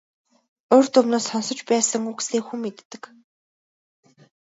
Урьд өмнө нь сонсож байсан үгсээ хүн мэддэг.